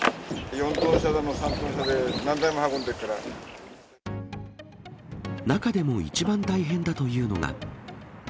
４トン車や３トン車で、中でも一番大変だというのが。